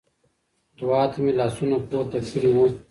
دعا ته مې لاسونه پورته کړي وو.